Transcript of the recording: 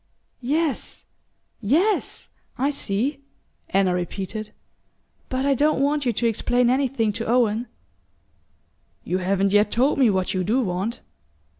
"Yes, yes! I see," Anna repeated. "But I don't want you to explain anything to Owen." "You haven't yet told me what you do want."